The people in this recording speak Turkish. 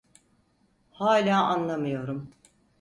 Hala anlamıyorum.